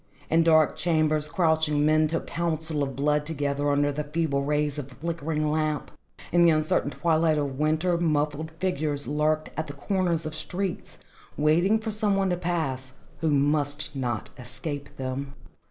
In dark chambers crouching men took counsel of blood together under the feeble rays of a flickering lamp. In the uncertain twilight of winter, muffled figures lurked at the corner of streets, waiting for some one to pass, who must not escape them.